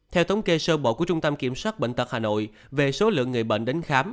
theo thống kê sơ bộ của trung tâm kiểm soát bệnh tật hà nội về số lượng người bệnh đến khám